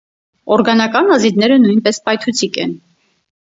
Օրգանական ազիդները նույնպես պայթուցիկ են։